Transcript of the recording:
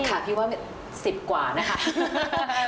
ค่ะพี่ว่า๑๐กว่านะคะฮ่าค่ะ